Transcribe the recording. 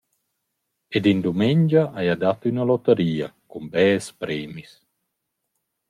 Ed in dumengia haja dat üna lottaria, cun bels premis.